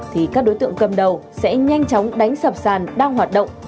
thì các đối tượng cầm đầu sẽ nhanh chóng đánh sập sàn đang hoạt động